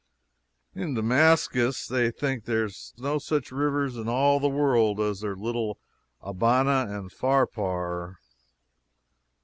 In Damascus they think there are no such rivers in all the world as their little Abana and Pharpar.